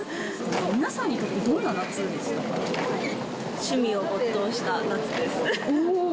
皆さんにとってどんな夏でし趣味を没頭した夏です。